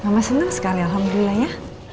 mama senang sekali alhamdulillah ya